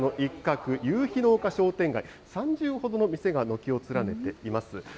西武園ゆうえんちの中の一角、夕日の丘商店街、３０ほどの店が軒を連ねています。